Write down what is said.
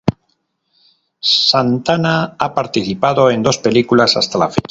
Santana ha participado en dos películas hasta la fecha.